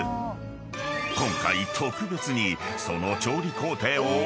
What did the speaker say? ［今回特別にその］